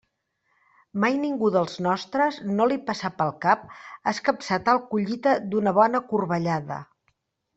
Mai a ningú dels nostres no li passà pel cap escapçar tal collita d'una bona corbellada.